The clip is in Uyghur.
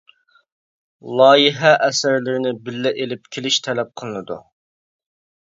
لايىھە ئەسەرلىرىنى بىللە ئېلىپ كېلىش تەلەپ قىلىنىدۇ.